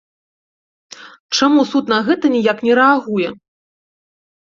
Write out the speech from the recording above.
Чаму суд на гэта ніяк не рэагуе?